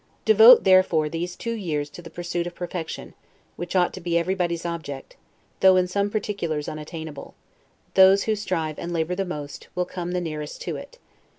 Devote, therefore, these two years to the pursuit of perfection; which ought to be everybody's object, though in some particulars unattainable; those who strive and labor the most, will come the nearest to it.